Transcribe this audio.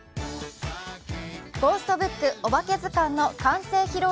「ゴーストブックおばけずかん」の完成披露